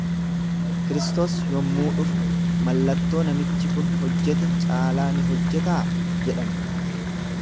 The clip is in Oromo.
Kristos yommuu dhufu, mallattoo namichi kun hojjete caalaa ni hojjetaa jedhan.